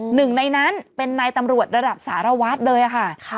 หนึ่งในนั้นเป็นนายตำรวจระดับสารวัตรเลยค่ะ